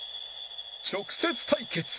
直接対決！